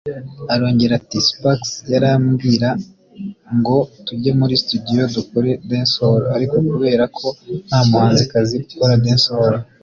Arongera ati “Spaxx yarambwira ngo tujye muri studio dukore Dancehall ariko kubera ko nta muhanzikazi ukora Dancehall